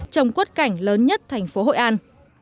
trong quất cảnh lớn nhất thành phố hội an